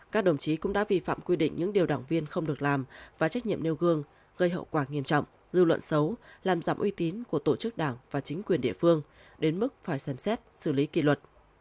các đồng chí cũng đã vi phạm quy định những điều đảng viên không được làm và trách nhiệm nêu gương gây hậu quả nghiêm trọng dư luận xấu làm giảm uy tín của tổ chức đảng và chính quyền địa phương đến mức phải xem xét xử lý kỷ luật